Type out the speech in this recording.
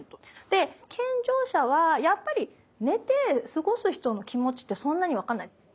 健常者はやっぱり寝て過ごす人の気持ちってそんなに分かんない。